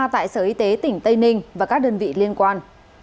tại sở y tế tỉnh tây ninh và các đơn vị liên quan